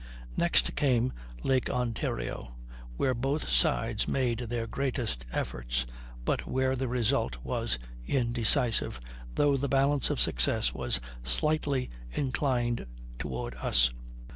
Next came Lake Ontario, where both sides made their greatest efforts, but where the result was indecisive, though the balance of success was slightly inclined toward us.